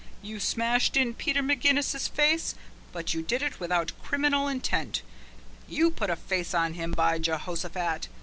You smashed in Peter McGinnis's face, but you did it without criminal intent. You put a face on him, by Jehoshaphat!